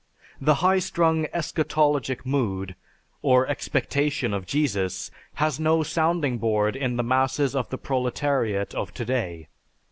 The high strung eschatologic mood, or expectation of Jesus, has no sounding board in the masses of the proletariat of to day.